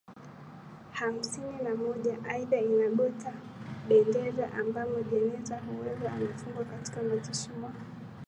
hamsini na moja Aidha ina gota bendera ambamo jeneza Hoover amefungwa katika mazishiMwaka